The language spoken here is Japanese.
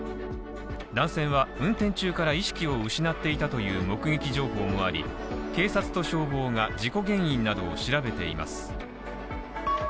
男性は運転中から意識を失っていたという目撃情報もあり警察と消防が事故原因などを調べています。